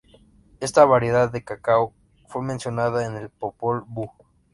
Esta variedad de cacao fue mencionada en el Popol Vuh.